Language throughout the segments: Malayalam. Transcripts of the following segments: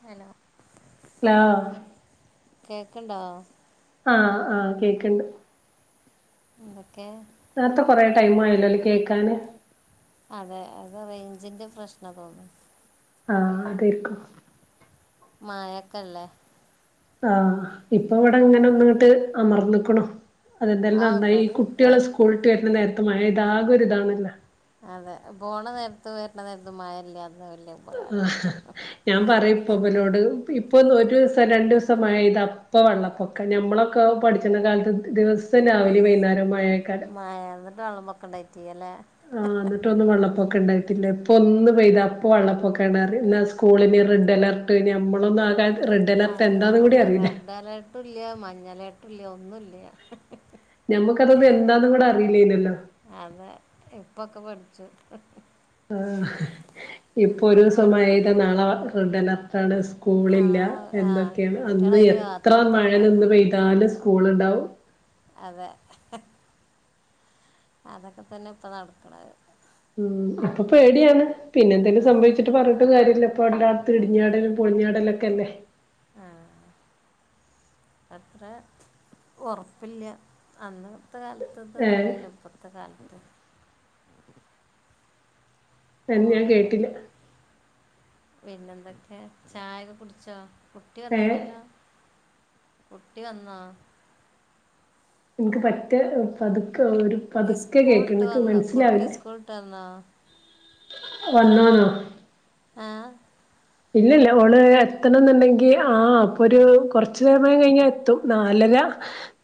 ഹെലോ ലോ കേക്ക്ണ്ടോ ആഹ് ആഹ് കേക്ക്ണ്ട് എന്തൊക്കേ നേരത്തെ പറയാൻ ടൈം ആയില്ലല്ലോ കേക്കാന് അതെ അത് റെയ്ഞ്ചിന്റെ പ്രശ്നാ തോന്നുന്നു ആഹ് അതേര്ക്കും മഴക്കല്ലേ ആഹ് ഇപ്പൊ വ്ടെ ഇങ്ങനെ അതെ ഒന്ന് ഇങ്ങട്ട് അമർന്ന്ക്ക്ണു അതെന്തായാലും ആ നന്നായി ഈ ഇവിടെ ഏ കുട്ട്യേള് സ്കൂൾട്ട് വെര്ന നേരത്ത് മഴെയ്താ ആകെ ഒര് ഇതാണല്ലാ അതെ പോണ നേര്ത്തും വെര്ന നേര്ത്തും മഴ ഇല്ലാത്തതാ നല്ലെഹ് [unintelligible] ഞാൻ പറയും പ്പൊ ഇബലോട് ഇപ്പൊന്ന് ഒരൂസം രണ്ടുസം മഴെയ്താ അപ്പൊ വെള്ളപ്പൊ ക്ക ഞമ്മളൊക്ക പഠിച്ച്ണ കാലത്ത് ദിവസം രാവിലിം വെയ്ന്നാരം മഴ മഴേ ന്നട്ട് വെള്ളപ്പൊക്കം ഇണ്ടായ്റ്റിയ്യ ല്ലേ ആഹ് ന്നട്ടൊന്നും വെള്ളപ്പൊക്ക ഇണ്ടായിട്ടില്ല്യ ഇപ്പൊ ഒന്ന് പെയ്താ അപ്പൊ വെള്ളപ്പൊക്കാണ് അറിം ന്നാ സ് സ്കൂളിന് റെഡ് അലർട്ട് ഞമ്മളൊന്നും ആ കാലത്ത് റെഡ് അലർട്ട് എന്താന്നും കൂടി അറീല ട്ടുല്ല്യ മഞ്ഞ അലേട്ടുല്ല്യ ഒന്നുല്ല്യ ഞമ്മക്കതൊന്നും എന്താന്നും കൂടെ അറിയില്ലേയ്ന്യല്ലോ അതെ ഇപ്പൊക്കെ പഠിച്ചു ആഹ് ഇപ്പൊ ഒരു ഒരൂസം മ- മഴെയ്ത നാളെ റെഡ് അലർട്ട് ആണ് സ് സ്കൂളില്ല ആളെ ആ എന്തൊക്കേണ് കുട്ടികളെ അന്ന് അതിന് കാത്ത് എത്ര മഴ കുത്തിർക്ക നിന്ന് പെയ്താലും സ്കൂള്ണ്ടാവും അതെ അതൊക്കെ തന്നെ ഇപ്പ നടക്ക്ണഹ് ഉം ഇപ്പൊ പേടിയാണ് പിന്നെ എന്തെങ്കിലും അതെ സംഭവിച്ചിട്ട് പർഞ്ഞ്ട്ട് കാര്യല്ല ഇപ്പൊ എല്ലാട്ത്തും അതെ ഇടിഞ്ഞാടലും പൊളിഞ്ഞാടലൊക്കെല്ലെ ആ അത്ര ഒറപ്പില്ല അന്ന് ഇത്ര ഏഹ് അട്ത്ത്ത്തൊല്ലോന്നുല്ലല്ലൊ ഇപ്പത്തെ കാലത്ത് എന്ന് ഞാൻ ഓരോ കേട്ടില്ല പിന്നെന്തൊക്കെ ചായൊക്കെ കുടിച്ചോ കുട്ടി ഏഹ് വന്നില്ലല്ലോ കുട്ടി വന്നൊ ഇനിക്ക് പറ്റേ പതുക്കെ ഒരു പതുക്കെ കേക്ക എനിക്ക് മനസ്സിലാവില്ല സ്കൂള് ട്ടെന്നോ വന്നൊ ന്നോ ആഹ് ഇല്ലല്ല ഓള് എത്തണം ന്നുണ്ടെങ്കി ആ പ്പൊരു കൊറച്ചു സമയം കഴിഞ്ഞാ എത്തും നാലര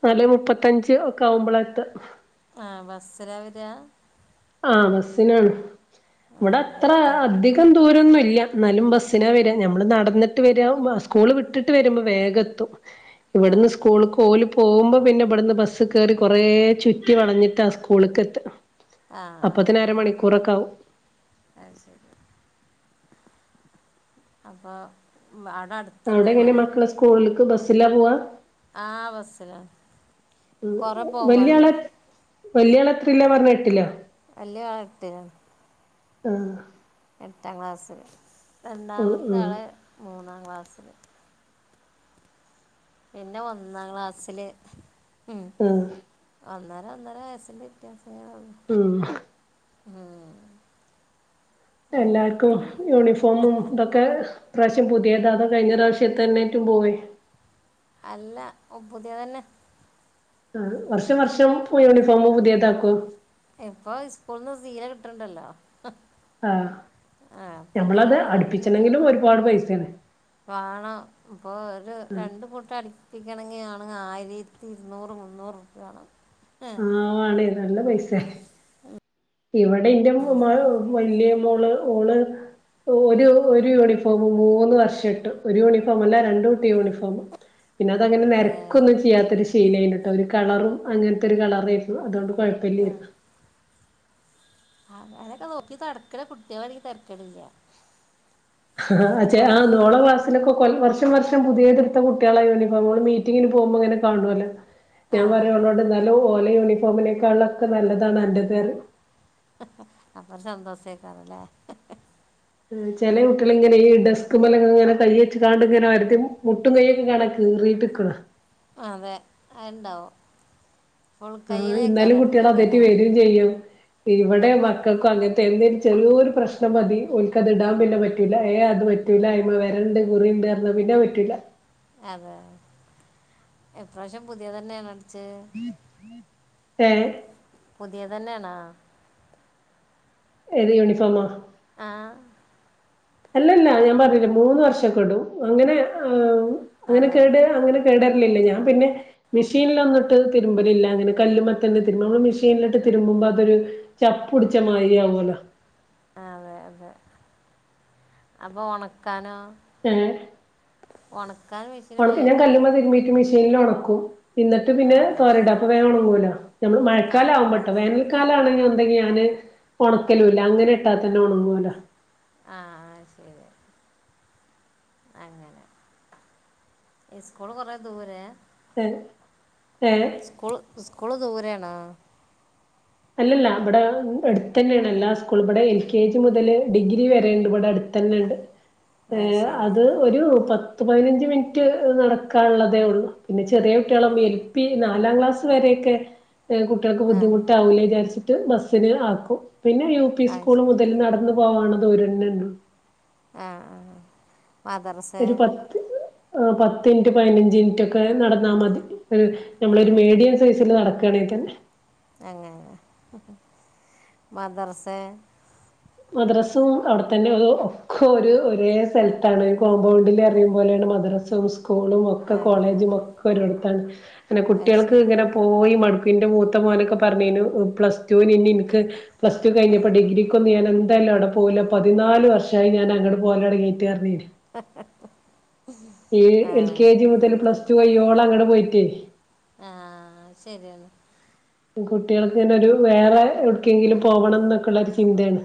നാലെ മുപ്പത്തഞ്ച് ഒക്കെ അവുമ്പള എത്ത ആഹ് ബസ്സിലാ വരാ ആഹ് ബസ്സിനാണ് ഇവിടെ അത്ര എത്ത അധി കം ദൂരന്നുല്ല ന്നാലും ബസ്സിനാ വര നമ്മൾ നടന്നിട്ട് വരാ സ്കൂൾ വിട്ടിട്ട് വരുമ്പോ വേഗം എത്തും ആ ഇവിടുന്ന് സ്കൂൾക്ക് ഓല് പോകുമ്പോ പിന്നെ ഇവിടുന്ന് ബസ്സ് കേറി കുറേ ചുറ്റി വളഞ്ഞിട്ടാ സ്കൂളിക്കെത്ത ആഹ് ആഹ് ആഹ് ആവും അത് ശരി അപ്പൊ അട അട് അവിടെ എങ്ങനെ മക്കള് സ്കൂളില്ക്ക് ബസ്സിലാ പോവാ ആഹ് ബസ്സിലാ കൊറെ പോവാണ്ട് വല്യ ആളെത്രേലാ പറഞ്ഞ് എട്ടിലൊ വല്യ ആള് ട്ടിലാ ആഹ് എട്ടാം ക്ലാസ്സില് ഉം രണ്ടാമത്തെ ഉം ആള് മൂന്നാം ക്ലാസ്സില് പിന്നെ ഒന്നാം ക്ലാസ്സില് ഉം ഉം ഒന്നര ഒന്നര വയസ്സിന്റെ വ്യത്യാസം ഒള്ളു ഉം ആഹ് എല്ലാർക്കും യൂണിഫോമും ഇതൊക്കെ ഈ പ്രാവശ്യം പുതിയതാ അതോ കഴിഞ്ഞപ്രാശ്യ തെന്നൊയിട്ടു പോയി അല്ല ഇപ്പൊ പുതിയതന്നെ ആഹ് വർഷം വർഷം പുതിയയൂണിഫോമ് പുതിയതാക്കോ ഇപ്പോ ഈ സ്കൂളിന്ന് സീല കിട്ട്ണ്ടല്ലോ ആഹ് ഞമ്മളത് അടുപ്പിച്ചണെങ്കിലും ഒരുപാട് പൈസാണ് പ്പാണോ ഇപ്പോ ഒരു രണ്ട് കൂട്ട അടിപ്പിക്കണങ്കി ആണ് ആയീരി ത്തി ഇരുന്നൂറ് മുന്നൂറ് രൂപ്യയാ മാണം ആഹ് വാണയ് നല്ല പൈസ്സ്യ ഇവടെ ഇൻന്റ [unintelligible] വല്യ മോള് ഓ ളാ ഒരു ഒരു യൂണിഫോമ് മൂന്ന് വർഷട്ടു ഒരു യൂണിഫോമല്ല രണ്ട് കുട്ടം യൂണിഫോമ് പിന്നെ അതങ്ങനെ അതെ നരക്കു ക്കൊന്നും ചെയ്യാത്തൊരു ശീലേന്നിട്ടോ ഒരു കളറും അങ്ങനത്തൊരു കളറേയിരുന്നു അതുകൊണ്ട് കൊഴപ്പില്ല്യരുന്നു അങ്ങനൊക്കെ നോക്കി നടക്ക്ണ കുട്ട്യളാണങ്കി തരക്കെടില്ല ആഹ് അച്ചേ ആ നോളാ ക്ലാസ്സ് [unintelligible] സ്സിലൊക്കെ കൊൽ വർഷം വർഷം പുത്യേത്ട്ത്ത കുട്ടികളെ യൂണിഫോമ്കള് മീറ്റിങ്ങിന് പോകുമ്പോങ്ങനെ കാണോലൊ. ഞാ ആ പറയും ഓളോട് ന്നാലും ഓലെ യൂണിഫോമിനേക്കാളൊക്കെ നല്ലതാണ് അന്റത്റിം. ഹ് ഹ അപ്പ സന്തോഷെക്കാരല്ലെ? ം ചെല കുട്ടികളീങ്ങനെ ഈ ഡെസ്ക്മലൊക്കെ കയ്യെച്ച്ങ്ങാണ്ട്ങനെ ഒരതി മുട്ടും കയ്യൊക്കെ കാണ കീറിട്ട്ക്ക്ണ്. അതെ അത്ണ്ടാവും. ആഹ് ഇന്നാലും കുട്യളതേറ്റ് അടുപ്പിക്കല്ലേ വെരുചെയ്യും. ഇവിടെ മക്കൾക്കും അങ്ങൻ - തെന്തേലും ചെറ്യോര് പ്രശ്നം മതി ഒൽക്കത് ഇടാൻ പിന്നെ പറ്റൂല്ല ഏ അത് പറ്റൂല്ല അയിമെ വരെണ്ട് കുറിണ്ട് ന്നാ പിന്നത് പറ്റൂല. അതെ? ഇപ്രാവശ്യം പുതിയ തന്നെയാണോ അടിച്ചെ? ഏഹ്? പുത്യേതന്നെണോ? ഏത് യൂണിഫോമാ? ആഹ്. അല്ലല്ല ഞാൻ പറഞ്ഞില്ലെ മൂന്നുവർഷക്കടും അങ്ങനെ ് അങ്ങനെ അതെ കേട് അങ്ങനെ- കേടര്ല്ലില്ല ഞാപിന്നെ- മിഷീൻലോന്ന്ട്ട് തിരുമ്പലില്ല ങ്ങനെ കല്ല്മ്മത്തന്നെ തിര്മ്പ നമ്മള് മിഷീനിലിട്ട് തിരുമ്പുമ്പോ അതൊരു- ചപ്പുടിച്ചമായിരി ആകോലോ. ആഹ് അതെ അതെ അപ്പോ ഒണക്കാനോ? ഏഹ്? ഒണക്കാ മിഷി- ഒണക്ക ഞാൻ കല്ലുമ്മെ തിരുമീട്ട് മിഷീനിലോണക്കും ഇന്ന്ട്ട് ആ പിന്നെ തോരടും ശ- അപ്പൊ വേഗം ഒണങ്ങൂലോ. ഞമ്മള് ആ മഴക്കാലാകുമ്പൊട്ടോ. അങ്ങനെ വേനൽക്കാ- ലാണ്ന്ന്ണ്ടങ്കി ഞാന് ഒണക്കലൂല്ല അങ്ങനെട്ടാതന്നെ ഒണങ്ങോല്ലൊ. ആഹ് അത്ശെരി. അങ്ങനെ സ്കൂള് കൊറെ ദൂരെ? എ ഏഹ്? സ്കൂള് സ്കൂള് ദൂരെണോ? അല്ലല്ല വടെ അടുത്തതന്നെണ് എല്ലാ സ്കൂളും ഇവടെ എൽ കെ ജി മുതല് ഡിഗ്രി വരെണ്ട് ഇവിടെ അടുത്തന്നെണ്ട്. ആ ഏഹ് ശരി അത് ഒരു പത്ത്പതിനഞ്ച് മിനിറ്റ് നടക്കാള്ളതേള്ളൂ. പിന്നെ ചെറിയ കുട്ടികളാ ഈ എൽ പി നാലാം ക്ലാസ് വരെക്കെ കുട്ടികൾക്ക് ആ ബുദ്ധിമുട്ട്- വൂല്ലെ വിചാരിച്ചിട്ട് ബസ്സിന് ആക്കും. പിന്നെ യൂപി ആ സ്കൂള് ശരി മുതല് നടന്ന് - പോവാള്ള ദുരെന്നെള്ളു. ആഹ് ആഹ് മദ്രസ്സ് ഒരു പത്ത് ആ പത്ത് മിൻറ്റ് പയിനഞ്ച് മിറ്റൊക്കെ നടന്നാമതി. ഒരു നമ്മളൊരു മെഡിയം സൈസില് നടക്കണെങ്കിതന്നെ. അങ്ങനെലെ ഹ് ഹ് മദ്രസെ? മദ്രാസും അവ്ടെത്തന്നെ അതൊ ഒക്കെ ഒരു ഒരേ സ്ഥലത്താണ് കോമ്പൗണ്ടില്റീമ്പോലേണ് മദ്ര സും സ്കൂളും ഒക്കെ ആ ആ കോളേജും ഒക്കെ ഒരോടത്താണ് പിന്നെ അത് കുട്ടികൾക്ക് ശരി ഇങ്ങനെപോ പോയി മടുക്കും ന്റെ മൂത്ത മോനൊക്കെ പറഞ്ഞീന്നു പ്ലസ്ടൂനിൻക്ക് പ്ലസ്ടു കഴിഞ്ഞപ്പോ ഡിഗ്രികൊന്ന് ഞാന് ന്തയാലും അവിടെ പോവൂല പതിനാല് വർഷായി ഞാന് അങ്ങട് പോകലൊടങ്ങീറ്റ്റഞ്ഞീന്ന്. ് ് ് ഈ എൽ കെ ജി മുതല് പ്ലസ്ടു കയ്യോളങ്ങട്പോയിറ്റെയ്. ആഹ് ശരിയാണ് കുട്ടികൾക് ഇങ്ങനെ ഒരു വേറെഎവ്ട് ക്കങ്കിലും പോവണം എന്നൊക്കള്ള ഒരു ചിന്തേണ്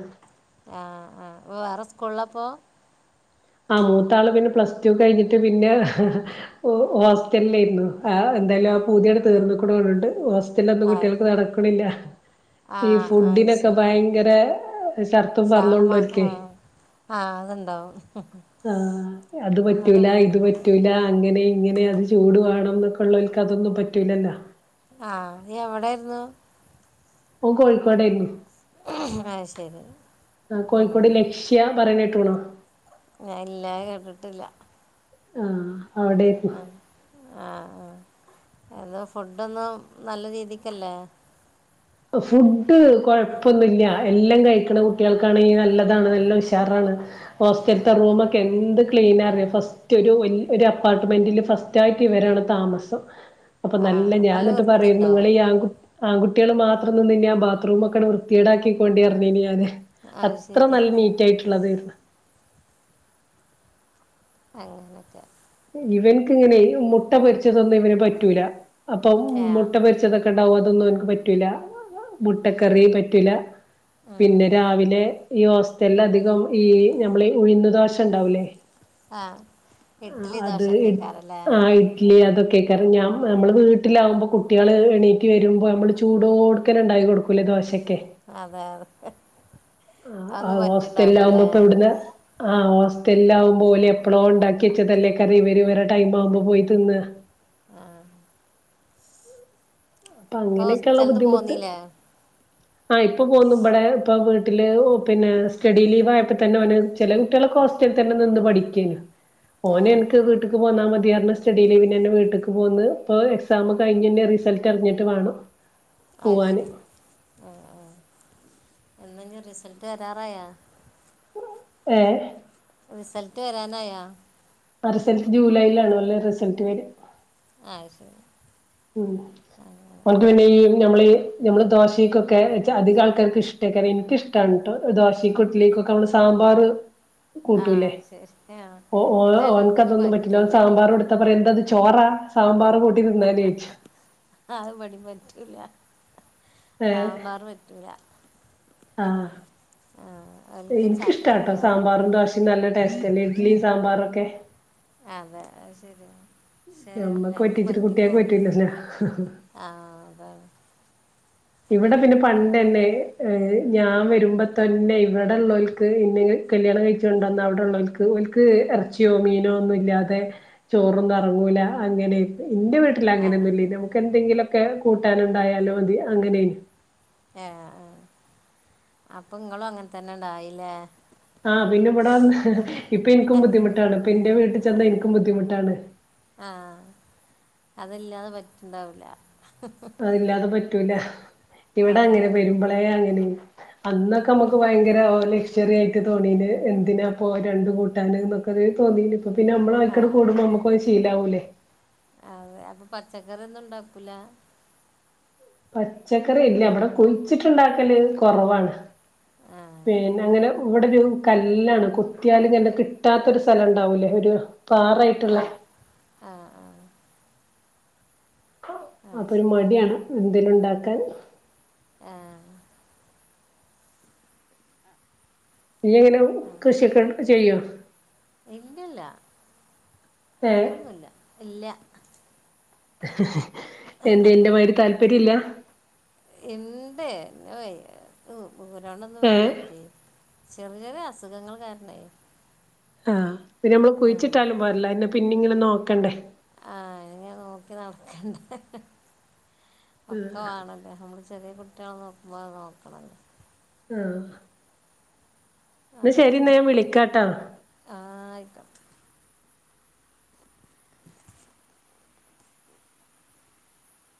ആഹ് ആഹ് ആവേറെ സ്കൂളിലാ പോ ആ മൂത്താള് പിന്നെ പ്ലസ് ടു കഴിഞ്ഞിട്ട് പിന്നെ ഹോസ്റ്റലരുന്നു ആഹ് എന്തായാലും ആ പുതിങ്ങട്ട് തീർന്നക്കണുണ് ണ്ട് ഹോസ്റ്റലൊന്നും ആ കുട്ടികൾക്ക് നടക്കണില്ല ആ ഈ അത് ഫുഡിനൊക്കെ ശരി ഭയങ്കര ശർത്തുംഫർളും ഉള്ളഓൽക് ആഹ് അത്ണ്ടാവും ആഹ് അത് പറ്റൂല ഇത്പ റ്റൂല അങ്ങനെ, ഇങ്ങനെ അത് ചൂട് വണം എന്നൊള്ളൊൽക്ക്‌ അതൊന്നും പറ്റൂലല്ലോ ആഹ് നീ എവിടെരുന്നു ഓൻ കോഴിക്കോടരുന്നു ആയ്ശരി ആഹ് ക്യാ പറഞ്ഞിട്ടുണോ ഞ ഇല്ലാ അത്കേട്ടിട്ടില്ല ആഹ് അവിടേര്ന്നു അ ആഹ് ആഹ് അത്ഫുഡൊന്നും നല്ല രീതിക്കല്ലേ ഫുഡ് കൊഴപ്പൊന്നില്ല എല്ലാം കഴിക്കണ കുട്ടികൾക്കാണെങ്കി നല്ലതാണ് നല്ല ഉഷാറാണ് ഹോസ്റ്റലിലത്തെ റൂമക്കെ എന്ത് ക്ലീന അറിയോ ഫസ് റ്റ് ഒരു അപ്പാർട്ട്മെന്റില് ഫസ്റ്റ് ആയിട്ട് ഇവരാണ് താമസം ആ അപ്പനല്ല അപ്പം നല്ല ഞന്നിട്ട് വൃത്തി പറയുന്നുഇങ്ങള് ഉണ്ടാവും ഈ ആക്കു ആണ് കുട്ടികൾ മാത്രം നിന്ന് ഇന്നി ബാത്റൂമൊക്കെ വൃത്തിടാക്കിക്ക കൊണ്ടിറഞ്ഞിന്ഞാന് അത് അത്ര ശരി നല്ല നീറ്റ ആയിട്ടുള്ളതെര്ന്ന് അങ്ങനെക്കെ ഇവനക്ക്ങ്ങനെ മുട്ട പൊരിച്ചതൊന്നും ഇവന് പറ്റൂല അപ്പം ഏ മുട്ട പരിച്ചതൊക് ണ്ടാവും അതൊന്നും ഓന്ക്ക് പറ്റൂല മുട്ടക്കറിപറ്റൂല ഉം. പിന്നെ രാവിലെ ഈഹോസ്റ്റലില് അധികം ഈ നമ്മള് ഈ ഉഴന്ന് ദോശ ഉണ്ടാവുലേ ആഹ് ആഹ് അത്ഇട് ആഇട് ഇലി അതൊക്കെ കാരും ഞാന മ്മൾ വീട്ടിലാവകുമ്പോകുട്ടികൾ എണീക്ക് വരുമ്പോനമ്മള് ചൂടോടുക്കനെ ഉണ്ടായി കൊടുക്കു കുലദോശയ്ക്കെ അതാണ് ആ ഹോസ്റ്റലകുമ്പോ ഇപ്പൊ എവിടന്ന് ആ ഹോസ്റ്റലിൽാവകുമ്പോ പോലെ ആ ഹോസ്റ്റലില്ആവുമ്പോഓല് എപ്പളോ ഇണ്ടാക്കി വെച്ചതല്ലേ കാരും ഇവര് ഇവരെ ടൈം ആവുമ്പോ പോയിതിന്ന ആഹ് അപ്പൊ ഹോസ്റ്റലന്ന് പോന്നീല്ലേ ആഹ് ഇപ്പൊ പോന്നു ബടെ ഇപ്പൊ വീട്ടില് പിന്നെ സ്റ്റഡി ലീവ് ആയപ്പോ തന്നെ ഓന് ചില കുട്ടിള് ഒക്കെ ഹോസ്റ്റലിതന്നെ നിന്ന്പഠിക്കുനു ആ ഓനെ എനിക്ക് വ് ട്ട്ക്ക് പോന്നാമതിന്ന്റഞ്ഞ് സ്റ്റഡിലീവ്ന ന്നെ വീട്ടക്ക് പോന്ന് ഇപ്പോ എക്സാം കഴിഞ്ഞ് റിസൾട്ട്റിഞ്ഞിട്ട് വാണം ആഹ് അയ്ശരി ആ ആ എന്നാനിറിസൾട്ട് വരാറായാ ഏഹ് റിസൾട്ട് വരാനായാ ആഹ് റിസൾട്ട് ജൂലൈലാണോല്ല റിസൾട്ട് വര ആഹ് ശരി ഉം അങ്ങനെ നമ്മളത് പിന്നെ ഈ ഞമ്മള് ഞമ്മള് ദോശയ്ക്കൊക്കെ ച അധിക ആൾക്കാർക്കും ഇഷ്ട്ടായിക്കാരം ഇനിക്കിഷ് ട്ടാണ്‌ട്ടോ ദോശക്കും ഇഡ്ലിക്കൊക്കെ നമ്മള് സാമ്പാറ് ആ കൂട്ടൂല്ലേ അത് ശരി ആ ഓ ഓ അത് ഓൻക്ക് ചിലർക്കൊന്നും അതൊന്നും പറ്റില്ലാ ഓൻ പറ്റൂല സാമ്പാറു എടു ത്താ പറയും എന്താ ഇത് ചോറാ സാമ്പാറും കൂട്ടി തിന്നാന് ചോയിക്കും ആഹ് അത് ഇവിടേം പറ്റൂല്ലാ ഏഹ് സാമ്പാറ് പറ്റൂല്ലാ ആഹ് ആഹ് ഇനിക്കിഷ്ട്ടാട്ടോ സാമ്പാറും ദോശയും നല്ല ടേസ്റ്റല്ലേ ഇഡ്ലി സാമ്പാറൊക്കെ അതെ അത് ശരിയാ ക്ഷെ നമ്മക്ക് എല്ലാർക്കും പറ്റിച്ചിട്ട് കുട്ട്യാക്ക് പറ്റൂലല്ലോ പറ്റിക്കോളണന്നില്ലാ ആഹ് അതാണ് ഇവിടെ പിന്നെ ആ പണ്ടന്നെ ഏഹ് ഞാൻ വരുമ്പോ തന്നെ ഇവിടെ ഇള്ളോൽക്ക് ഇന്നേ കല്യാണം കഴിച്ചോണ്ടന്ന അവിടെ ഇള്ളോൽക്ക് ത് ഓൽക്ക് എറച്ചിയോ മീനോ ഒന്നും ഇല്ലാതെ ചോറൊന്നും എറങ്ങൂലാ അങ്ങനായിട്ട് ഇന്റെ വീ ആ ലങ്ങനൊന്നുല്യേനു നമ്മക്ക് എന്തെങ്കിലൊക്കെ കൂട്ടാനുണ്ടായാലോ മതി അങ്ങനേയിനു ഏഹ് ആഹ് അപ്പൊ ഇങ്ങളും അങ്ങനെ തന്നെണ്ടായില്ലേ ആഹ് പിന്നെ ഇവിടെ വന്ന് ഇപ്പൊ ഇൻക്കും ബുദ്ധിമുട്ടാണ് ഇപ്പ ഇന്റെ വീട്ടി ചെന്നാ ഇൻക്കും ബുദ്ധിമുട്ടാണ് ആഹ് അതല്ലാതെ പറ്റ്ണ്ടാവൂല്ലാ അതില്ലാതെ പറ്റൂലാ ഇവിടെ അതെ അങ്ങനെ വെരുമ്പളേ അങ്ങനേനു അന്നൊക്കെ നമ്മക്ക് അപ്പോൾ ഭയങ്കര ഓലെഷ് ചെറിയായിട്ട് തോന്നീന് എന്തിനാപ്പോ രണ്ടു കൂട്ടാന് നൊക്കെ ഒര് തോന്നീന് അപ്പ പിന്നെ നമ്മളെ ആ ആയിക്ക് അങ്ങട് കൂടുമ്പോ നമുക്കത് ശീലാവൂല്ലേ ആഹ് അതെ അപ്പൊ പച്ചക്കറിയൊന്നും ഇണ്ടാക്കൂലാ പച്ചക്കറി ഇല്ല ഇവിടെ കുഴിച്ചിട്ട്ണ്ടാക്കല് കൊറവാണ് ആ പിന്നങ്ങനെ ഇവിടെ ഒരു കല്ലാണ് കുത്തിയാല്ങ്ങനെ കിട്ടാത്ത ഒരു സ്ഥലണ്ടാവൂലേ ഒരു പാറായിട്ട്ള്ളെ ആഹ് ആഹ് ആ അപ്പൊ ഒരു ശരി മടിയാണ് എന്തേലും ഇണ്ടാക്കാൻ ആഹ് ഇയ്യെങ്ങനെ ആ കൃഷിയൊക്കെ എട് ചെയ്യോ? ഇല്ലല്ലാ ഏഹ് ന്നുല്ലാ ഇല്ലാ എന്ത് ഇന്റെ മാരി താല്പര്യം ഇല്ലാ ഇണ്ട് പിന്നെ വയ്യായിറ്റും ഊരണ്ടൊന്നും ഏ വയ്യായിറ്റേ ചെറ് ചെറിയ അസുഖങ്ങൾ കാരണേ ആഹ് പിന്നെ നമ്മള് ആ കുഴിച്ചിട്ടാലും പോരല്ലോ അതെന്നെ പിന്നെ ഇങ്ങനെ നോക്കണ്ടേ ആഹ് അത്ങ്ങനെ നോക്കി നടക്കണ്ടേ ഒക്കെ വാണ ആഹ് നമ്മള് ചെറിയ കുട്ട്യാളെ നോക്കുമ്പോലെ നോക്കണല്ലോ ആഹ് ഇന്ന ശരിന്നാ ഞാൻ വിളിക്കാട്ടോ ആഹ് ആയിക്കോട്ട്